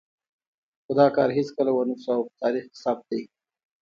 خو دا کار هېڅکله ونه شو او په تاریخ کې ثبت دی.